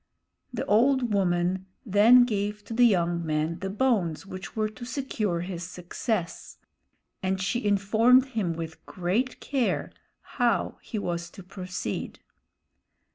The old woman then gave to the young man the bones which were to secure his success; and she informed him with great care how he was to proceed.